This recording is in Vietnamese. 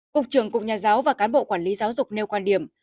cục trưởng cục nhà giáo và cán bộ quản lý giáo dục nêu quan điểm